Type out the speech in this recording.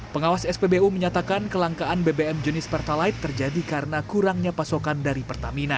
pengawas spbu menyatakan kelangkaan bbm jenis pertalite terjadi karena kurangnya pasokan dari pertamina